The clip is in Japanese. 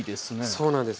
そうなんです。